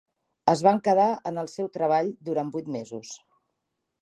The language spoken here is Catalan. Es van quedar en el seu treball durant vuit mesos.